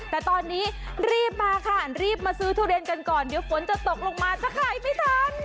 แต่ตอนนี้รีบมาค่ะรีบมาซื้อทุเรียนกันก่อนเดี๋ยวฝนจะตกลงมาจะขายไม่ทัน